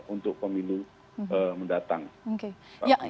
untuk pemilu mendatang